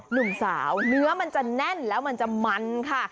หนุ่มสาวเนื้อมันจะแน่นแล้วมันจะมันค่ะ